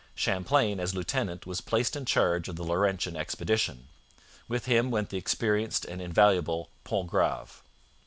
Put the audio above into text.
Champlain, as lieutenant, was placed in charge of the Laurentian expedition. With him went the experienced and invaluable Pontgrave.